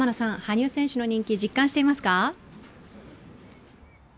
羽生選手の人気実感していますか？